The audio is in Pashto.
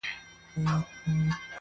دعوه د سړیتوب دي لا مشروطه بولم ځکه,